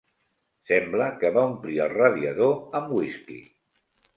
Sembla que va omplir el radiador amb whisky.